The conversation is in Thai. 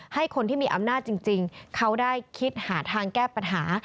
ให้คนที่มีอำนาจจริงเขาได้คิดหาทางแก้ปัญหา